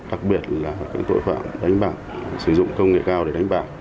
đặc biệt là tội phạm đánh bạc sử dụng công nghệ cao để đánh bạc